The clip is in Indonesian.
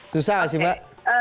susah nggak sih mbak